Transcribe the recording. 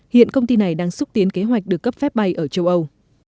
hiện công ty này đang xúc tiến kế hoạch được cấp phép bay ở châu âu